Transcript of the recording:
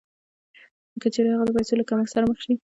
که چېرې هغه د پیسو له کمښت سره مخ شي